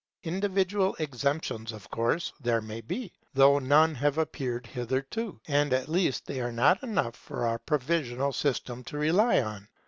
Individual exceptions, of course, there may be, though none have appeared hitherto, and at least they are not enough for our provisional system to rely on.